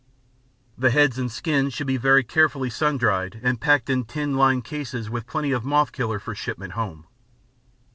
The heads and skins should be very carefully sun dried and packed in tin lined cases with plenty of moth killer for shipment home.